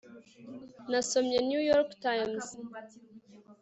nasomye new york times